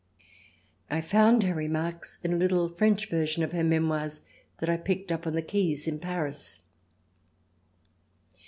I found her remarks in a httle French version of her Memoirs that I picked up on the quays in Paris.